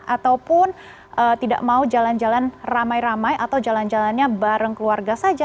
ataupun tidak mau jalan jalan ramai ramai atau jalan jalannya bareng keluarga saja